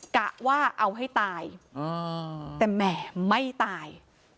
กะว่าเอาให้ตายแต่แหมไม่ตาย